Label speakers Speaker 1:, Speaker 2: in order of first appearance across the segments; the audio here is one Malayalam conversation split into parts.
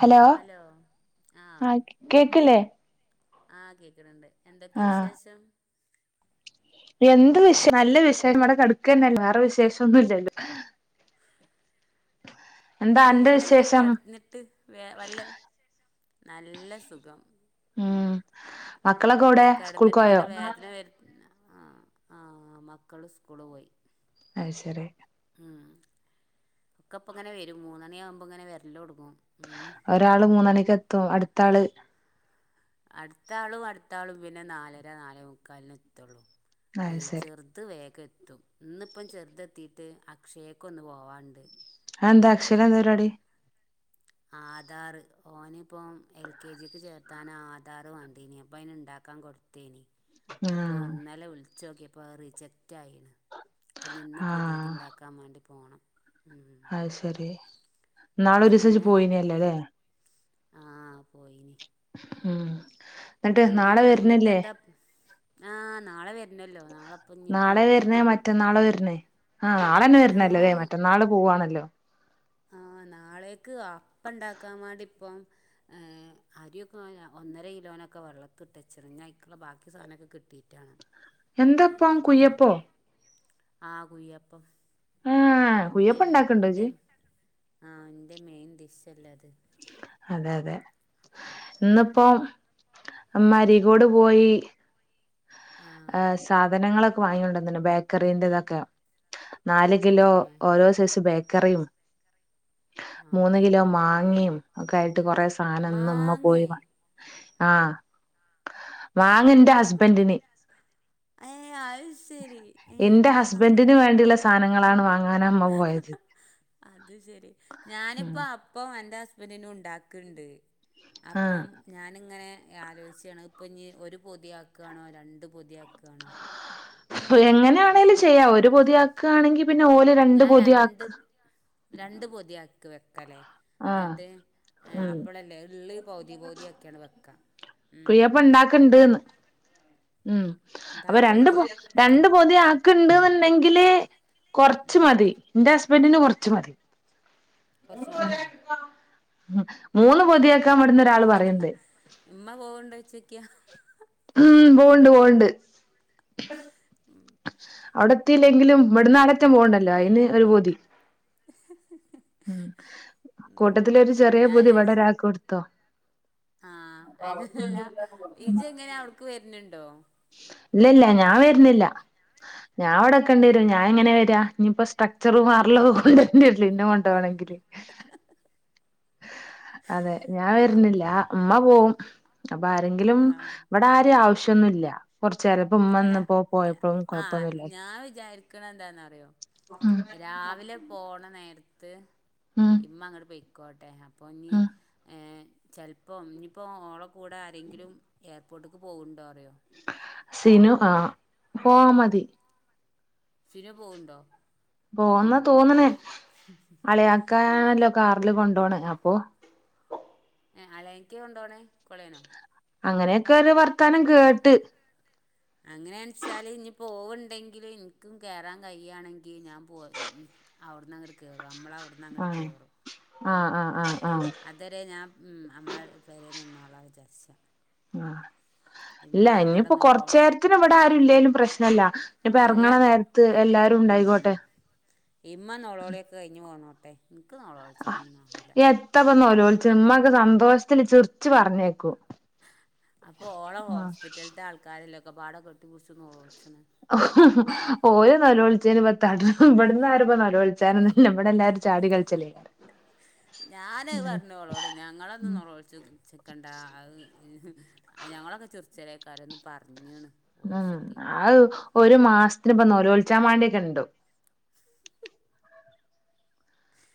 Speaker 1: ഹലോ
Speaker 2: ആഹ്
Speaker 1: ആ കേക്കില്ലേ?
Speaker 2: ആഹ് കേക്ക്ണ് ണ്ട് എന്തൊക്കെ
Speaker 1: ആ
Speaker 2: വിശേഷം?
Speaker 1: എന്ത് വിശം നല്ല വിഷം ഇവ്ടെ കട് ക്കന്നല്ലേ. വാറെ വിശേഷന്നുംല്ലല്ലോ. അന്റെ
Speaker 2: എങ്ങന്ണ്ട്
Speaker 1: വിശേഷം
Speaker 2: കട്ന്നിട്ട് വേ വല്ല നല്ല സുഖം. ഉം
Speaker 1: മക്കളൊക്കെ എവിടെ
Speaker 2: അല്ല
Speaker 1: സ്കൂൾക്ക്
Speaker 2: കെട്ന്നിട്ട്
Speaker 1: പോയോ
Speaker 2: ഇവടെ വേദന വരു ആഹ ആ മക്കള് സ്കൂള് പോയി.
Speaker 1: അഹ് ശരി.
Speaker 2: ആഹ് ഒക്കെ ഇപ്പം ങ്ങനെ വരും മൂന്നണിയാവുമ്പോ ഇങ്ങനെ വരലൊട്
Speaker 1: ഒരാള് മൂന്നണിക്ക് എത്തും അടുത്ത ആള്
Speaker 2: അടുത്താളും അടുത്താളും പിന്നെ നാലര നാലേ മുക്കാലിന് എത്തുള്ളൂ. ഏ
Speaker 1: അത് ശരി
Speaker 2: ചെറുത് വേഗ എത്തും ഇന്ന്പ്പം ചെറുതെത്തിട്ട് അക്ഷയക്ക ഒന്ന് പോവാണ്ട്.
Speaker 1: അ എന്താ അക്ഷയേല് എന്ത പരിപാടി?
Speaker 2: ആധാറ് ഓനിപ്പോം എൽ കെ ജിക്ക് ചേർത്താന് ആധാർ വാണ്ടിനി. അപ്പയ്ന് ഇണ്ടാക്ക ക്കാൻ കൊട്ത്തീനി
Speaker 1: ആ
Speaker 2: അപ്പോ ഇന്നലെ വിൾച്ചു നോക്കിയപ്പോ അ അ് റിജക്റ്റ് ആയിണ്. അപ്പൊഞ്ഞിന്ന്
Speaker 1: ആ
Speaker 2: പുതിയത്ണ്ടാക്കാ മാണ്ടി പോണം.
Speaker 1: അ ശരി നാളെ ഒരീസം ജ്ജ്
Speaker 2: പിന്നെ
Speaker 1: പോയിനല്ലേ ല്ലേ?
Speaker 2: ആ പോയിനി
Speaker 1: ഉം ന്നിട്ട് നാളെ വര്ന്ന്ല്ലേ?
Speaker 2: ആഹ നാളെ വര്ണല്ലോ നാളെപ്പ ഇഞ്ഞിപ്പം
Speaker 1: ആഹ് നാളന്നെ വര്ണല്ലൊല്ലേ. മറ്റന്നാള് പോവാണല്ലോ.
Speaker 2: ആ
Speaker 1: [unintelligible]
Speaker 2: നാളേക്ക് അപ്പ ഇണ്ടാക്കാൻ വാണ്ടിപ്പം അരി ഒക്കെ ഒന്നര കിലോനൊക്കെ വള്ള ള്ളത്ത്ട്ടച്ച്ണ്. ഞ അയ്ക്ക്ള്ള ബാക്കി സാധനൊക്കെ കിട്ടിയിട്ടാണം.
Speaker 1: എന്തപ്പം കുയ്യപ്പോ?
Speaker 2: ആ കുയ്യപ്പം.
Speaker 1: ആഹ കുയ്യപ്പ ഇണ്ടാക്ക്ണ്ടോ ജ്ജ്?
Speaker 2: ആഹ ന്റെ മെയിൻ ഡിഷല്ലേ അത്.
Speaker 1: അതെ അതെ. ഇന്ന്പ്പോ
Speaker 2: അത്
Speaker 1: മ്മ അരീക്കോട് പോയി.
Speaker 2: ആ
Speaker 1: സാധനങ്ങളൊക്കെ വാങ്ങിയൊണ്ട ന്ന്ണ്. ബേക്കറീന്റെ ഇതൊക്കെ. നാല് കിലോ
Speaker 2: ഏ
Speaker 1: ഓരോ സൈസ് ബേക്കറിം.
Speaker 2: ആ
Speaker 1: മൂന്ന് കിലോ മാങ്ങിം ഒക്കെ ആയിട്ട് കൊറെ സാധനം ന്ന്മ്മ പോയി
Speaker 2: മാങ്ങേ
Speaker 1: വാങ്ങി ആഹ വാങ്ങ
Speaker 2: മാ
Speaker 1: ന്റെ ഹസ്ബൻറിന്.
Speaker 2: ഏ അയ് ശരി ഏ മാ
Speaker 1: സാനങ്ങളാണ് വാങ്ങ
Speaker 2: അത് ശെരി
Speaker 1: ഉം
Speaker 2: ഞാനിപ്പോ അപ്പ എന്റെ ഹ ഹസ്ബൻഡിനും ഉണ്ടാക്ക്ണ്ട്.
Speaker 1: ആഹ്
Speaker 2: അപ്പം ഞാന്ങ്ങനെ ആലോയ്ച്ചാണ് ഇപ്പൊഞ്ഞ് ഒരു പൊതിയാക്കാണോ രണ്ട് പൊതിയാക്കാണോ
Speaker 1: എങ്ങനെയാണെലും ചെയ്യാം. ഒരു പൊതിയാക്കാണെങ്കി
Speaker 2: ഞാൻ രണ്ട് രണ്ട് പൊതിയാക്ക് വെ ക്കല്ലേ.
Speaker 1: ആഹ്
Speaker 2: ന്നിട്ട്
Speaker 1: ഉം
Speaker 2: അപ്പളല്ലേ ഇള്ള് പൗതി പൗതി ആക്കിയാണ്ട് വെക്കാ.
Speaker 1: കുയ്യപ്പ ഇണ്ടാക്ക്ണ്ട്ന്ന്. ഉം അപ്പൊ രണ്ട്
Speaker 2: ഇണ്ടാക്ക്ണ്ട്
Speaker 1: പൊ രണ്ട് പൊതിയാക്ക് ണ്ട് ന്ന്ണ്ടെങ്കില്. കൊർച്ച്
Speaker 2: ഉം
Speaker 1: മതി. ന്റെ ഹസ്ബൻറിന് കൊർച്ച് മതി.
Speaker 2: കൊർച്ച് മതിയോ?
Speaker 1: മൂന്ന് പൊതിയാക്കാൻ വട്ന്ന് ഒരാള് പറയ്ണ്ട്.
Speaker 2: ഇമ്മ പോവ്ണ്ടോയ്ച്ചോക്ക്യ
Speaker 1: ഉം പോണ്ട് പോണ്ട്. അവിടെത്തില്ലെങ്കിലും
Speaker 2: ഉം
Speaker 1: വട്ന്ന് ആട റ്റം പോണ്ടല്ലോ അയ്ന് ഒരു പൊതി. ഉം
Speaker 2: ഉം
Speaker 1: കൂട്ടത്തിലൊരു ചെറിയ
Speaker 2: ഞാൻ
Speaker 1: പൊതി
Speaker 2: വിചാരിച്ച്
Speaker 1: വടരാക്ക് ഇട്ത്തോ.
Speaker 2: ആഹ് അല്ല ഇജ്ജ് എങ്ങനെ
Speaker 1: [unintelligible]
Speaker 2: അവ്ട്ക്ക് വര്ന്ണ്ടോ
Speaker 1: ഇല്ല ഇല്ല ഞാൻ വര്ന്നില്ല. ഞാൻ ഇവടെക്കണ്ടിരും ഞാ എങ്ങനെ വരാ ഇഞ്ഞ്പ്പോ സ്ട്രക്ചറും മാറല്ല കൊണ്ട് തന്നല്ല ഇന്ന കൊണ്ട പോണെങ്കില് അതെ ഞാൻ വരുന്നില്ല
Speaker 2: ആഹ്
Speaker 1: മ്മ പോവും. അപ്പൊ ആരെങ്കിലും ഇവിടെ ആരേം
Speaker 2: ആഹ്
Speaker 1: ആവശ്യംന്നുല്ല കുറച്ചു നേര ഇപ്പോ ഇമ്മ
Speaker 2: അല്ല
Speaker 1: ഇന്ന് പോയപ്പോളും
Speaker 2: ആഹ്
Speaker 1: കൊഴപ്പൊന്നുല്യ
Speaker 2: ഞാൻ വിചാരിക്കണ എന്താന്ന് അറിയോ
Speaker 1: ഉം
Speaker 2: രാവിലെ പോണ നേര ത്ത്
Speaker 1: ഉം
Speaker 2: ഇമ്മ അങ്ങോട്ട് പോയിക്കോട്ടെ അപ്പൊ ഇനി
Speaker 1: ഉം
Speaker 2: ഏ ചെൽപ്പോം ഇഞ്ഞ്പ്പം ഓള കൂടെ ആരെങ്കിലും എയർപോർട്ട്ക്ക് പോക്ണ്ടോ അറിയോ?
Speaker 1: സിനു ആഹ പോവാ മതി.
Speaker 2: സിനു പോവ്ണ്ടോ?
Speaker 1: പോന്ന തോന്നണേ
Speaker 2: ആഹ്
Speaker 1: അളിയാക്കാണല്ലോ കാറില് കൊണ്ട ണ്ടോണ അപ്പൊ
Speaker 2: ഏ അളിയാക്കെ കൊണ്ടോണേ കൊളേനോ
Speaker 1: അങ്ങനെയൊക്കെ ഒരു വർത്താനം കേട്ട്
Speaker 2: അങ്ങനെയണ്ച്ചാല് ഇനി പോവണ്ടെങ്കില് ഇനിക്കും കേയറാൻ കഴയാണെങ്കിൽ ഞാൻ പോ അവിടന്നാങ്ങട് കേറും നമ്മളെ അവിടന്ന് അങ്ങട്ട്
Speaker 1: ആഹ്
Speaker 2: കേറും.
Speaker 1: ആഹ് ആഹ് ആഹ് ആഹ്
Speaker 2: അത് വരെ ഞാൻ നമ്മളെ പെരേ നിന്നോള വിചാരിച്
Speaker 1: ആഹ ഇല്ല ഇനിയിപ്പോ
Speaker 2: അവിടെന്നോളോ
Speaker 1: കൊറച്ച നേരത്തിന് ഇവിടെ ആരും ഇല്ലേങ്കലും പ്രശ്നമല്ല ഇനിപ്പൊ
Speaker 2: അല്ല
Speaker 1: ഇറങ്ങണ നേരത്ത് എല്ലാരും ഉണ്ടായി
Speaker 2: ഉം ഉം
Speaker 1: ആയിക്കോട്ടെ
Speaker 2: ഇമ്മ നോളോളിയൊക്കെ കഴിഞ്ഞു പോന്നോട്ടെ ഇന്ക് നോളോളിച്ചാലൊന്നും ആാവില്ല
Speaker 1: നോലോളിച്ച്ണ് ഉമ്മ ഒക്കെ സന്തോഷത്തിന് ചിരിച്ചു പറഞ്ഞേക്കു
Speaker 2: അപ്പ ഓളെ ഹോസ്പിറ്റലത്തെ ആൾക്കാരല്ലേ ഒക്കെ പാടൊക്കെ കെട്ടി പിടിച്ചു
Speaker 1: ഓരോ നെലോളി അ പ ഇവിടന്ന് ആരും നേലോളിച്ചാ ഇല്ല ഇമ്മടെ എല്ലാരും ചാടി കളിച്ചല്ല
Speaker 2: ഞാന് അത് പറഞ്ഞോളോട് ഞങ്ങളന്ന നിച്ചു ചക്കണ്ട ഞങ്ങളൊക്കെ ചിറിച്ചലെകാരംന്ന് പറഞ്ഞാണ്
Speaker 1: ഉം ആ ഒരു മാസത്തിന് ഇപ്പൊ നേലോളിച്ചാ വേണ്ടി ഉണ്ടോ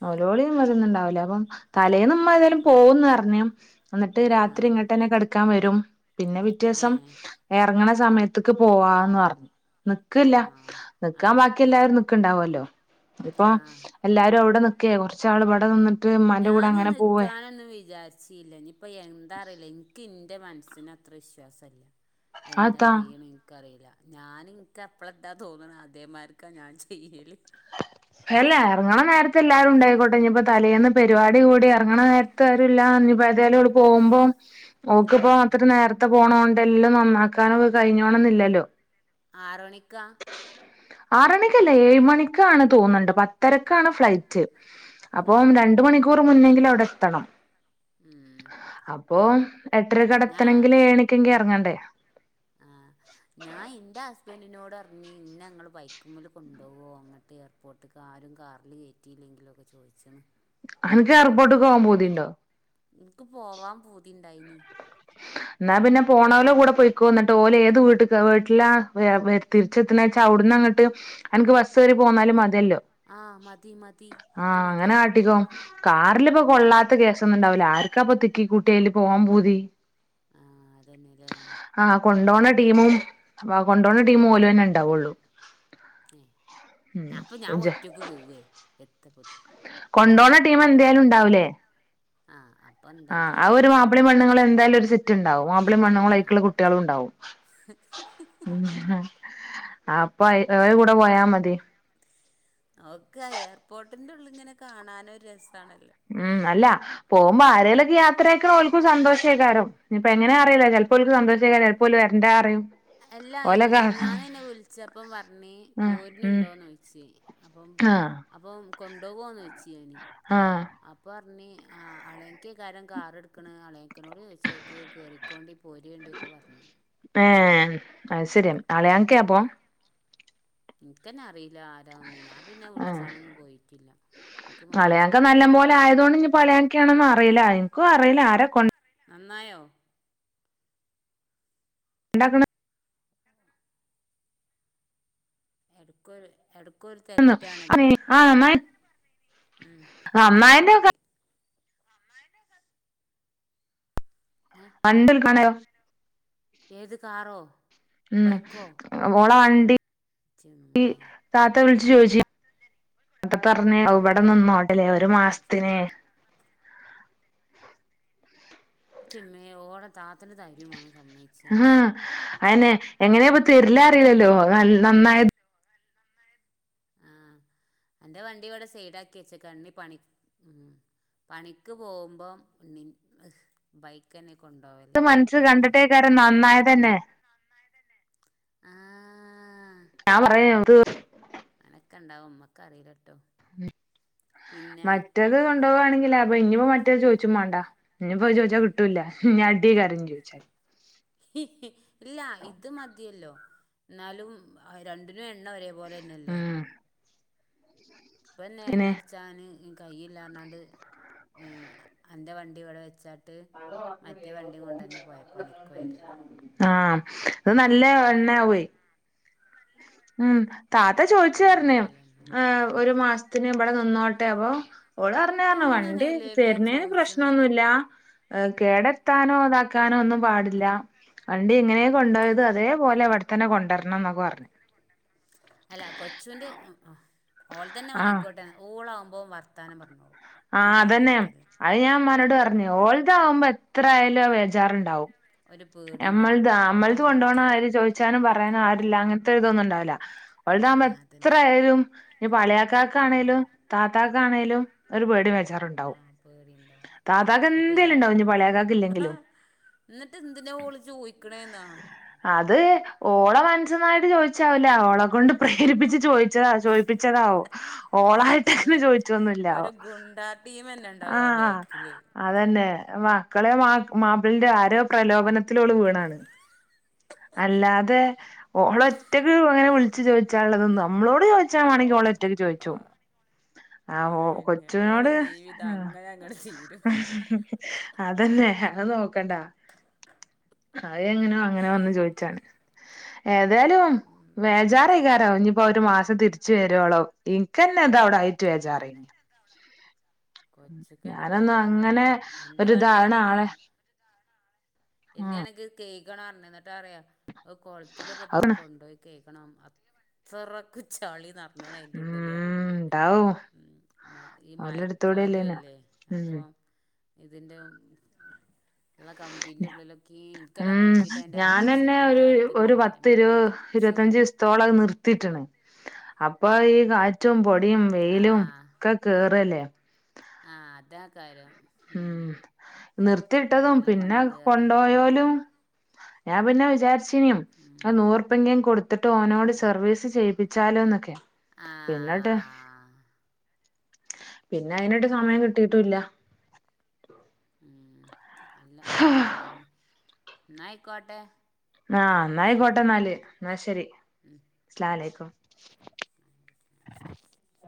Speaker 1: നഓരോളിയും
Speaker 2: ഉം
Speaker 1: വരരുന്നുണ്ടാവൂലേ അപ്പം തലേന്ന് നമ്മ് ഏതായാലും ഉമ്മാ പോകുംന്ന് അറിഞ്ഞം എന്നിട്ട് രാത്രി
Speaker 2: ആഹ്
Speaker 1: ഇങ്ങോട്ടെ കടുക്കാൻ വരും പിന്നെ പിറ്റേസം
Speaker 2: ഏഹ്
Speaker 1: ഇറങ്ങണ സമയത്തേക്ക് പോവാന്ന് പറഞ്ഞു നിക്കല്ല
Speaker 2: ആഹ്
Speaker 1: നിക്കാൻ
Speaker 2: ആഹ്
Speaker 1: ബാക്കി എല്ലാരും നക്കണ്ടാവല്ലോ അതിപ്പോ
Speaker 2: ആഹ്
Speaker 1: എല്ലാരും അവിടെ നിക്കയ കുറച്ച ആള് ഇവിടെ നിന്നിട്ട് ഉമ്മാന്റെ കൂടെ
Speaker 2: ഞാന്
Speaker 1: അങ്ങനെ പോവേ
Speaker 2: നക്കാാനൊന്നന്ന് വിചാരിച്ചല്ല ഇനിപ്പ എന്താ അറിയില്ല ഇൻ്റെ മനസ്സിന് അത്ര വിശ്വാസമല്ല എന്താ
Speaker 1: അതെത്താ
Speaker 2: ചെയ്യണ എനിക്കറിയില്ല ഞാന ഇനിക്ക് എപ്പഴ ഇന്താ തോന്നുന്നത് അതേമാർക്കാ ഞാൻ ചെയ്യല്
Speaker 1: [unintelligible] അല്ല ഇറങ്ങണ നേരത്ത എല്ലാരും ഉണ്ടായിക്കോട്ടെ ഇനിയിപ്പ തലേുന്ന പരിപാടി കൂടി ഇറങ്ങണ നേരത്തുംല്ലപ്പോ ഓള് പോകുമ്പോം ഒക്കിപ്പോ
Speaker 2: ആഹ്
Speaker 1: അത്ര നേരത്തെ പോണ ല്ലാം നന്നാക്കാനൊക്കെ കഴിഞ്ഞോണംന്നില്ലല്ലോ
Speaker 2: ആറ് മണിക്കാ
Speaker 1: ആറണിക്കല്ല ഏഴ് മണിക്കാണ് തോന്നണ്ട് പത്തരക്കാണ് ഫ്ലൈറ്റ് അപ്പം
Speaker 2: ആഹ്
Speaker 1: രണ്ട് മണിക്കൂർ മുന്നെങ്കിലും അവിടെ എത്തണം
Speaker 2: ഉം
Speaker 1: അപ്പൊ
Speaker 2: ഞാ
Speaker 1: എട്ടരക്ക് അവിടെത്തണെങ്കിൽ ഏഴണിക്കെങ്കി ഇറങ്ങണ്ടേ
Speaker 2: ആ ഞാൻ ഇന്റെ ഹസ്ബന്റിനോട്‌ പറഞ്
Speaker 1: [unintelligible]
Speaker 2: ഞങ്ങള് ബൈക്ക് മ്മെ കൊണ്ടുപോകോ അങ്ങട്ട് എയർപോർട്ടക്ക് ആരും കാറിൽ കയറ്റിയില്ലെങ്കിലും ഒക്കെ ചോദിച്ചണ്
Speaker 1: എനക്ക് എയർപോർട്ട് പോവാൻ പൂതിണ്ടോ
Speaker 2: ദൈനി
Speaker 1: എന്നാ പിന്നെ പോണോലോ കൂടെ പൊയിക്കോ എന്നന്നിട്ട് ഓലെ ത് വീട്ട വീട്ടില തിരിച്ചെത്ത അവിടങ്ങട്ട് അനിക്ക് ബസ് കേറി പോന്നാലും മതി
Speaker 2: ആഹ് മതി മതി അത് മതി
Speaker 1: കാറിലിപ്പൊ കൊള്ളാത്ത കേസ് ഒന്നും ഉണ്ടാവില്ല ആർക്കാ ഇപ്പൊ തിക്കി കൂട്ടി അയില് പോവാൻ പൂതി
Speaker 2: ആഹ് അതന്നെല്ലേ
Speaker 1: ആഹ് കൊണ്ടോണ ടീമും കൊണ്ടോണ ടീമും ഓല് തന്നെ ഇണ്ടാവുള്ളൂ
Speaker 2: ഏ അപ്പൊ ഞാൻ ഒറ്റക്ക് പോവേ എത്തപ്പത്
Speaker 1: കൊണ്ടണ ടീമ് എന്തായാലും ഉണ്ടാവുലേ
Speaker 2: ആഹ അ
Speaker 1: ആഹ് ആ ഒരു മാപ്പിളി പെണ്ണങ്ങൾ എന്തായാലും ഒരു സെറ്റ് ഉണ്ടാവും മാപ്പള പെൺങ്ങളും ആയിക്കുള്ള കുട്ടികളും ഉണ്ടാവും അപ്പൊ ഏ കൂടെ പോയാ മതി
Speaker 2: ഓക്കെ എയർപോർട്ടിന്റെ ഉള്ളിങ്ങനെ കാണാന് ഒര് രസം
Speaker 1: ഉം അല്ല പോമ്പോ ആരെലൊക്കെ യാത്ര ആക്ക ഓൽക്കും സന്തോഷേക്കാരം ഇപ്പൊ എങ്ങനെ അറില്ല
Speaker 2: ഉം
Speaker 1: ചിലപ്പോൾക്ക് സന്തോഷിക്കാന് ചിലപ്പോല് വരണ്ട അറിയും
Speaker 2: അല്ലാ ഇ മിനിഞ്ഞാന്ന് എന്നെ വിളിച്ചപ്പം പറണി
Speaker 1: ഉം
Speaker 2: പോര്നുണ്ടോന്ന്ചോദിച്ചേ അപ്പം
Speaker 1: ആഹ്
Speaker 2: അപ്പൊ കൊണ്ടുപോകോന്ന് വെച്ച്നി അപ്പ
Speaker 1: ഉ
Speaker 2: ആ അളേക്ക കാരം കാറെ എടുക്കണ അളേക്കനോട് ചൊച് നോക്ക്ക്ക് റയും അക്കൗണ്ടിപൊരിണ്ട്ക്കെ പറഞ്ഞു
Speaker 1: ഏ ആം അയ്ശരിയാ അളിയാകാപം
Speaker 2: നിക്കന്നെ അറിയില്ല ആരൊ ഒന്നും ഞാൻ പിന്നെ വിളിച്ചാനൊന്നും പോയിട്ടില്ല ഇൻക്ക് മടിയാവ
Speaker 1: അളയാക്കെ നല്ല പോലെ ആയതുകൊണ്ട് ഇനി പളയാക്കാണന്നും അറിയില്ല എനിക്കും അറിയില്ല ആരെ കൊ
Speaker 2: നന്നായോ
Speaker 1: ഉണ്ടാക്കണം
Speaker 2: എടുക്കര് എടു ക്കു ഒരു തെറ്റാണല്ലോ
Speaker 1: ആഹ്
Speaker 2: ആ
Speaker 1: എന്നാ
Speaker 2: ഉ എന്നാ
Speaker 1: അമ്മായിന്റെ
Speaker 2: മതി ഏ
Speaker 1: അണ്ടൽ കാണയോ
Speaker 2: ഏത് കറോ
Speaker 1: ഉം വോള വണ്ടി ഇ
Speaker 2: ച്ചെമ്മേ
Speaker 1: താത്ത വി ജോച്ചി ഒക്കെ പാറഞ് ആ വിടെ നിന്നോട്ടല്ലേ ഒരു
Speaker 2: വണ്ടി
Speaker 1: മാസത്തിന്
Speaker 2: സ്കൂട്ടി ചെമ്മേ ഓട താത്തിന്റെ ധര്യമാണ് സമ്മതിച്ച
Speaker 1: അനെ എങ്ങനെയ ഇപ്പ തെരില അറില്ലല്ലോ ന നന്നായ അ
Speaker 2: എന്റെ വണ്ടി ഇവിടെ സൈഡ ആക്കി വച്ച കണ്ണി പണി ഉ പണിക്ക് പോമ്പം ഇമിനി ഇഹ് ബൈക്ക്ന്നെ
Speaker 1: ഇത് മനസ്സ് കണ്ടിട്ടേക്കാര നന്നായ തന്നെ
Speaker 2: ആ
Speaker 1: ഞാ പറയാ ഒരു
Speaker 2: ഓക്ക ഉണ്ടാവും നുമ്മക്ക് അറിയി
Speaker 1: മറ്റേത് കൊണ്ടുപോകയാണെങ്കിലേ അപ്പൊ ഇനിപ്പോ മറ്റേത് ചോദിച്ചും വേണ്ടാ ഇനി പോയി ചോദിച്ചാ കിട്ടൂല്ല ഇ അടി കാരം ചോദിച്ചാല്
Speaker 2: ഇല്ല ഇത് മതിയല്ലോ എന്നാലും രണ്ട് ഇ എണ്ണ ഒരേ പോലെ തന്നെ അല്ലേ
Speaker 1: ഉം
Speaker 2: ഇപ്പന്നെ
Speaker 1: പിന്നെ
Speaker 2: എണ്ണ അടച്ചാന് കയ്യില്ലാ പറഞ്ഞാണ്ട് ഏ അൻ്റെ വണ്ടി ഇവിടെ വെച്ചാ പണിക്കോയത്
Speaker 1: [unintelligible] ആ അത് നല്ല എണ്ണ ആവുവേ ഉം താത്ത
Speaker 2: ഉം
Speaker 1: ചോദിച്ചുഅറിഞ്
Speaker 2: നല്ലന്നെ
Speaker 1: ഒരു മാസത്തിന് ഇവിടെ നിന്നോട്ട് അതെ അപ്പൊ ഓള് അറിഞ്ഞഞ് വണ്ടി
Speaker 2: എങ്ങനെയല്ലേ ഞാൻ
Speaker 1: തരുന്നേന്
Speaker 2: ചോദിച്ചണേ
Speaker 1: പ്രശ്നൊന്നുല്ല ഏ കേടത്താനോ അതാക്കാനോ ഒന്നും പാടില്ല വണ്ടി എങ്ങനെ കൊണ്ടോയത് അതേപോലെ ഇവിടെത്തന്നെ കൊണ്ടരണം എന്നൊക്കെ പറഞ്ഞു
Speaker 2: അല്ല കൊച്ചുന്റെ ആ ആ ഓൾ തന്നെ
Speaker 1: ആഹ്
Speaker 2: വാങ്ങിക്കോട്ടെ ഊളാകുമ്പോ വർ വർത്താനം പറഞ്ഞതാവും
Speaker 1: ആ അതന്നെ അയ് ഞാൻ ഉമ്മനോട് പറഞ്ഞു ഓൾ താവുമ്പോ എത്ര ആയാലും വേജാറുണ്ടാവും.
Speaker 2: ഒരു പേടിയുണ്ടാവും
Speaker 1: നമ്മൾതൊ ആ നമ്മൾത് കൊണ്ടോണ കാര്യം ചോദയ്ച്ചാനും പറയാനും ആരൂല്ല അങ്ങനത്തെരിതൊന്നും ഉണ്ടാവവുല്ല
Speaker 2: ആ
Speaker 1: ഓൽതാവുബം
Speaker 2: അതന്നെ
Speaker 1: എത്രയാലും ഇപ്പം
Speaker 2: ആ
Speaker 1: അളിയകാക്കണേലും താത്താക്കാണേലും ഒരു പേടി വെ
Speaker 2: ആ
Speaker 1: അച്ചാർണ്ടാവും
Speaker 2: പേടിയുണ്ടാവും
Speaker 1: താത്താക്ക്‌
Speaker 2: ഇനിയിപ്പോ
Speaker 1: എന്തേലും
Speaker 2: ഇയ്യന്ന്
Speaker 1: ഇണ്ടാവും ഇഞ്ഞിപ്പം അളിയാകാക്ക് ഇല്ലെങ്കിലും
Speaker 2: അതിനൊ ഓള് ചോ
Speaker 1: അത് ഓള മനസ്ന്നായിട്ട് ചോദിച്ചാവില്ല ഓളെ കൊണ്ട് പ്രേരിപ്പിച്ച് ചോയി ചത ചോയിപ്പിച്ചതാവും ഓളായിട്ട്
Speaker 2: അയി
Speaker 1: ങ്ങനെ ചോയിചൊന്നും ഇല്ല
Speaker 2: ഒരു ഗുണ്ടാ ടീമന്നെ
Speaker 1: ആ
Speaker 2: ഉണ്ടാവും ബേക്കില്
Speaker 1: അതന്നെ മക്കളെ മാ- മാപ്പളന്റെ ആരോ പ്രലോഭനത്തില് ഓള് വീണാണ് അല്ലാതെ ഓള് ഒറ്റക്ക് അങ്ങനെ വിളിച്ചു ചോദിച്ചാുനുള്ളതൊന്നും നമ്മളോട് അത് ചോയ്ച്ചാ
Speaker 2: ഓ
Speaker 1: വാണെങ്കി ഓള് ഒറ്റക്ക്‌
Speaker 2: ആ
Speaker 1: ചോയിച്ചും ആ -
Speaker 2: അയെന്നെ ഓളെ
Speaker 1: കൊച്ചിനോട്
Speaker 2: ജീവിതം
Speaker 1: ഉം
Speaker 2: അങ്ങനെ അങ്ങട് തീരും
Speaker 1: [unintelligible] അതന്നെ അത് നോക്കണ്ട എങ്ങനെയോ അങ്ങനെയോ വന്ന് ചോദിച്ചാണ് ഏതായാലും
Speaker 2: ഉം
Speaker 1: വേജാറായ്ക്കാരം ഇഞ്ഞിപ്പോ ഒരു മാസം തിരിച്ചു വരോളം ഇനക്കന്നെ എന്താ അവിടെ ആയിറ്റു വേജാറ്
Speaker 2: അതന്നെ കൊച്ചുക്കന്നെ
Speaker 1: ഞാനൊന്നും
Speaker 2: ബേജാറുണ്ടാവും
Speaker 1: അങ്ങനെ
Speaker 2: അൻ
Speaker 1: ഒരിതാണ് ആളെ
Speaker 2: പിന്നേ
Speaker 1: ഉം
Speaker 2: ആണെങ്കി കേ [unintelligible] ന്നിട്ട് പറയാ അത് കൊളത്തിലൊക്കെ പോയി
Speaker 1: ഉം
Speaker 2: കൊണ്ടോയി കെയ്കണം അത്രക്ക് ചളി ന്നറഞ്ഞ്ക്ക്‌ണ് അയിൻ്റെ ഉള്ളില് അറിയ്ണ്ട്
Speaker 1: ഇണ്ടാവും
Speaker 2: ഉം - ഈ മയക്കാലോം
Speaker 1: ഓലടുത്തൂടെയല്ലേനോ
Speaker 2: അല്ലേ അപ്പം.
Speaker 1: ഉം
Speaker 2: ഇതിന്റെ - ഉള്ള കമ്പിന്റെ ഉള്ളിലൊക്കി
Speaker 1: ഉം ഞാനന്നെ ഒരു
Speaker 2: ആ
Speaker 1: ഒരു
Speaker 2: ഇതില്ലേ
Speaker 1: പത്ത്
Speaker 2: അയ്മലൊക്കെ
Speaker 1: ഇരുപത്
Speaker 2: നറച്ച് ച
Speaker 1: ഇരുപത്തഞ്ച് ദിവസത്തോളം അത് നിർത്തിട്ട്ണ്. അപ്പൊ ഈ കാറ്റും പൊടിയും വെയിലും ഒക്കെ കേറല്ലേ
Speaker 2: ആ അതാ കാര്യം.
Speaker 1: ഉം
Speaker 2: ഇപ്പം
Speaker 1: നിർത്തിയിട്ടതും
Speaker 2: നല്ല
Speaker 1: പിന്നെ
Speaker 2: പണിണ്ട് പറഞ്ഞ്
Speaker 1: കൊണ്ടുയോലും ഞാൻ പിന്നെ വിചാരിച്ചീനിം
Speaker 2: ഉം
Speaker 1: അത് നൂറുപ്യെങ്കി കൊടുത്തിട്ട് ഓനോട്
Speaker 2: ഉം
Speaker 1: സർവീസ് ചെയ്ത് ച്ചാലോന്നൊക്കെ
Speaker 2: ആ
Speaker 1: പിന്നെ ങ്ട്ട് പിന്നെ അയിനൊട്ട് സമയം
Speaker 2: ഉം
Speaker 1: കിട്ടീട്ടുല്ല.
Speaker 2: ഉം അല്ല
Speaker 1: ആഹ്
Speaker 2: അപ്പം ഇന്നാ ന്ന ആയിക്കോട്ടെ
Speaker 1: ആ ആയിക്കോട്ട ന്നാല് ന്നാ ശരി
Speaker 2: ഉം
Speaker 1: അസ്സ്ലമലൈക്കും [inaudible]